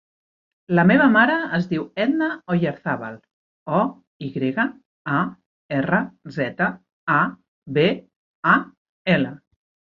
La meva mare es diu Edna Oyarzabal: o, i grega, a, erra, zeta, a, be, a, ela.